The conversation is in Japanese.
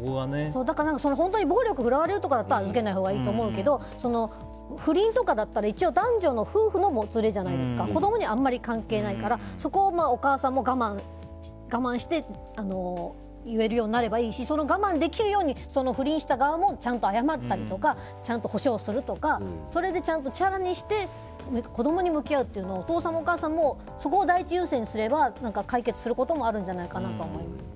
本当に暴力振るわれるとかだったら預けないほうがいいと思うけど不倫とかだったら一応、夫婦のもつれであって子供にはあまり関係ないからそこはお母さんも我慢して言えるようになればいいしその我慢できるように不倫した側もちゃんと謝ったりとかちゃんと保障するとかそれでチャラにして子供に向き合うのをお父さんもお母さんもそこを第一優先にすれば解決することもあるんじゃないかなと思います。